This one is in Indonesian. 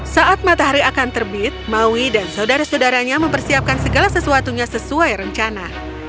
saat matahari akan terbit maui dan saudara saudaranya mempersiapkan segala sesuatunya sesuai rencana